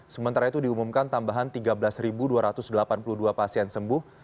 sementara itu diumumkan tambahan tiga belas dua ratus delapan puluh dua pasien sembuh